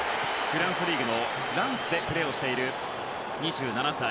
フランスリーグのランスでプレーをしている２７歳。